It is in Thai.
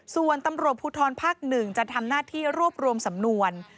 ส่วนตำรวจภูทรภาค๑จะทำหน้าที่รวบรวมสำนวน